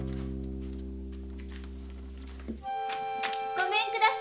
ごめんください。